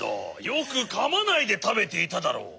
よくかまないでたべていただろう。